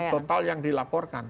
total yang dilaporkan